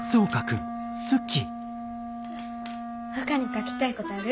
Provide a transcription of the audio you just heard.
ほかに書きたいことある？